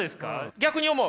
逆に思う？